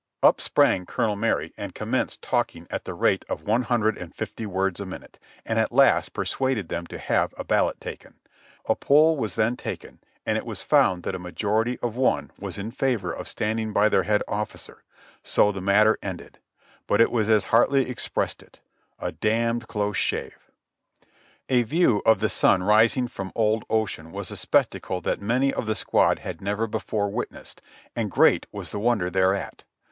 Up sprang Colonel Marye and commenced talking at the rate of one hundred and fifty words a minute, and at last persuaded them to have a ballot taken. A poll was then taken and it was found that a majority of one was in favor of standing by their head officer, and so the matter ended; but it was as Hartley expressed it: "A d d close shave." A view of the sun rising from old Ocean was a spectacle that many of the squad had never before witnessed, and great was the wonder thereat.